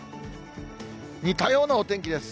似たようなお天気です。